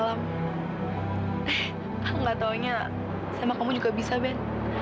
kalau nggak taunya sama kamu juga bisa ben